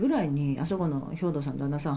あそこの兵頭さんの旦那さん